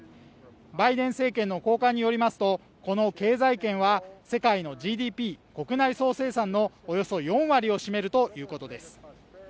バイデン政権の高官によりますと、この経済圏は世界のＧＤＰ＝国内総生産のおよそ４割を占めるということです。